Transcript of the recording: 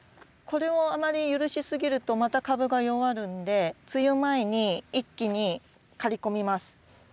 これをあまり許しすぎるとまた株が弱るんで梅雨前に一気に刈り込みます。